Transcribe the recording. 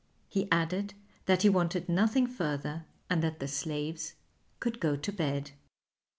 He added that he wanted nothing further and that the slaves could go to bed.